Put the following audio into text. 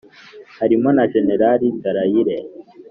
harimo na jenerali dallaire